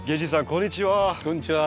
こんにちは。